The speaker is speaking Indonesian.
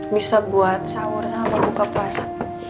bisa buat sahur sama buka puasa